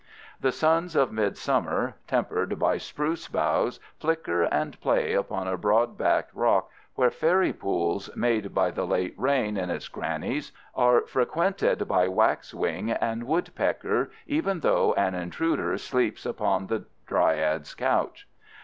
The suns of midsummer, tempered by spruce boughs, flicker and play upon a broad backed rock where fairy pools made by the late rain in its crannies are frequented by waxwing and woodpecker, even though an intruder sleeps upon that dryad's couch.